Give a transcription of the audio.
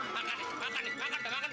makan nih makan nih makan makan makan tuh